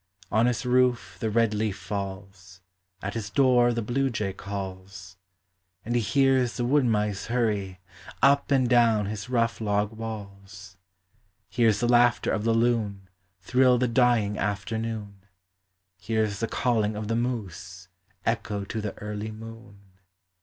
On his roof the red leaf falls, At his door the blue jay calls, And he hears the wood mice hurry Up and down his rough log walls; Hears the laughter of the loon Thrill the dying afternoon, — Hears the calling of the moose Echo to the early moon.